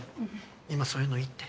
今そういうのいいって。